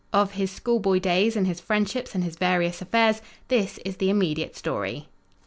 Of his schoolboy days and his friendships and his various affairs, this is the immediate story.